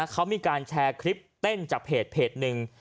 เขามีการแชร์คลิปเต้นจากเพจหนึ่ง